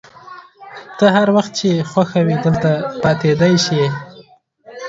ته هر وخت چي خوښه وي دلته پاتېدای شې.